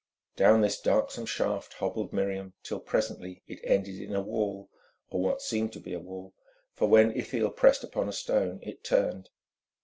Down this darksome shaft hobbled Miriam, till presently it ended in a wall, or what seemed to be a wall—for when Ithiel pressed upon a stone it turned.